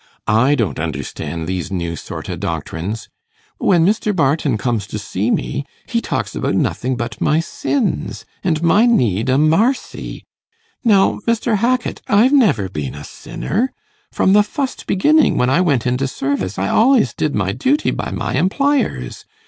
I don't understand these new sort o' doctrines. When Mr. Barton comes to see me, he talks about nothing but my sins and my need o' marcy. Now, Mr. Hackit, I've never been a sinner. From the fust beginning, when I went into service, I al'ys did my duty by my emplyers.